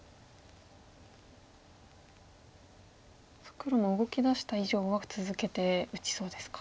黒も動きだした以上は続けて打ちそうですか。